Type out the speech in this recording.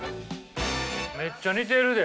めっちゃ似てるで。